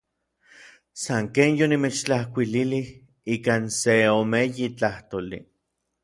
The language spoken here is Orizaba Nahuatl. San ken yonimechtlajkuililij ikan seomeyi tlajtoli.